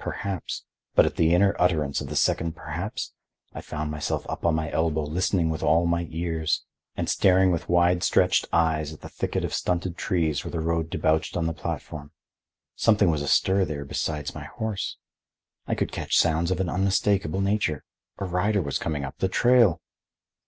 Perhaps— But at the inner utterance of the second "perhaps" I found myself up on my elbow listening with all my ears, and staring with wide stretched eyes at the thicket of stunted trees where the road debouched on the platform. Something was astir there besides my horse. I could catch sounds of an unmistakable nature. A rider was coming up the trail.